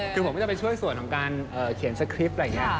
คือผมจะไปช่วยส่วนของการเขียนสคริปต์